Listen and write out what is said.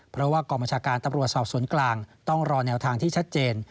เพราะว่ากองบัญชาการตำรวจสอบสวนกลางต้องรอแนวทางที่ชัดเจน